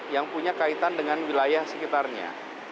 yang punya kaitan dengan wilayah sekitarnya